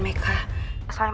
ini meka lagi sama reddy